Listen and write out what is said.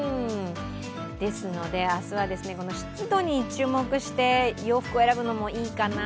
ですので、明日は湿度に注目して洋服を選ぶのもいいかな？